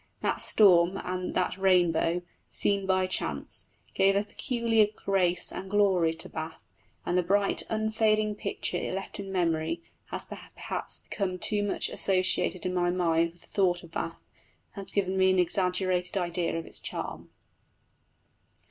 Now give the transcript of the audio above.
That storm and that rainbow, seen by chance, gave a peculiar grace and glory to Bath, and the bright, unfading picture it left in memory has perhaps become too much associated in my mind with the thought of Bath, and has given me an exaggerated idea of its charm.